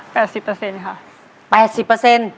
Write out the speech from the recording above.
๘๐ครับ